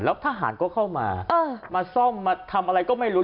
แล้วทหารก็เข้ามามาซ่อมมาทำอะไรก็ไม่รู้